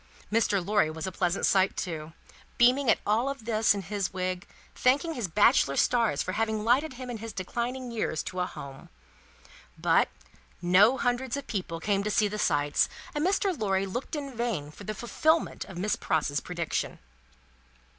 Mr. Lorry was a pleasant sight too, beaming at all this in his little wig, and thanking his bachelor stars for having lighted him in his declining years to a Home. But, no Hundreds of people came to see the sights, and Mr. Lorry looked in vain for the fulfilment of Miss Pross's prediction.